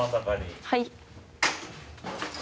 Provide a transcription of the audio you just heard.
はい。